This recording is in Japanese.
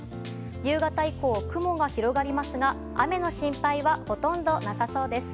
夕方以降、雲が広がりますが雨の心配はほとんどなさそうです。